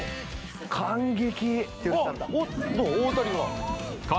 感激！